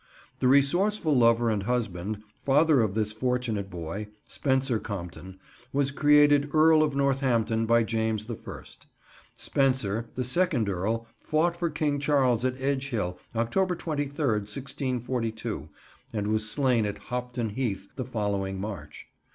The resourceful lover and husband, father of this fortunate boy, Spencer Compton, was created Earl of Northampton by James the First. Spencer, the second Earl, fought for King Charles at Edge Hill, October 23rd, 1642, and was slain at Hopton Heath the following March.